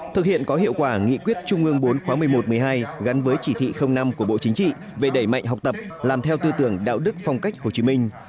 thực hiện có hiệu quả nghị quyết trung ương bốn khóa một mươi một một mươi hai gắn với chỉ thị năm của bộ chính trị về đẩy mạnh học tập làm theo tư tưởng đạo đức phong cách hồ chí minh